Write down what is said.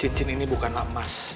cincin ini bukanlah emas